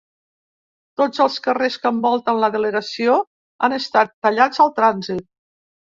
Tots els carrers que envolten la delegació han estat tallats al trànsit.